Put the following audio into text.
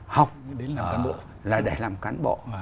học là để làm cán bộ